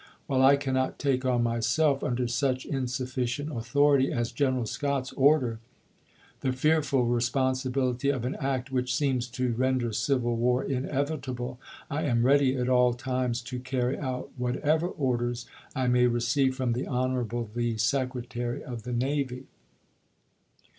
While I cannot take on myself, under auch insufficient authority as General Adams to Scott's Order, the fearful responsibility of an act which ^iSnifisei. seems to render civil war inevitable, I am ready at all "Galaxy," timcs to Carry out whatever orders I may receive from ' p." 97. ' the Honorable the Secretary of the Navy.